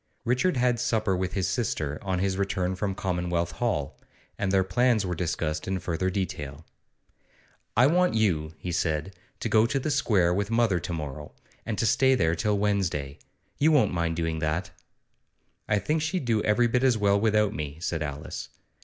Richard had supper with his sister on his return from Commonwealth Hall, and their plans were discussed in further detail. 'I want you,' he said, 'to go to the Square with mother to morrow, and to stay there till Wednesday. You won't mind doing that?' 'I think she'd do every bit as well without me,' said Alice.